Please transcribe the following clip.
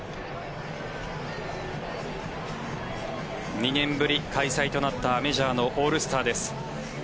２年ぶりの開催となったメジャーのオールスターです。